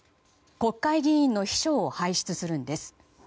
国会議員の秘書を輩出するんです。